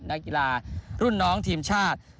นักกีฬารุ่นน้องทีมชาติ